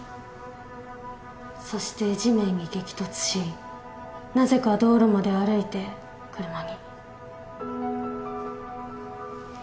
そして地面に激突しなぜか道路まで歩いて車に。